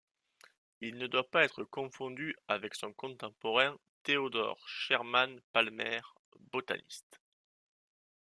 Il ne doit pas être confondu avec son contemporain Theodore Sherman Palmer, botaniste.